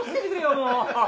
もう。